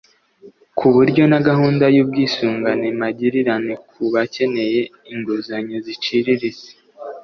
ku buryo na gahunda y’ubwisungane magirirane ku bakeneye inguzanyo ziciriritse